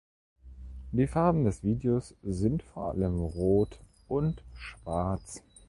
Die Farben des Videos sind vor allem rot und schwarz.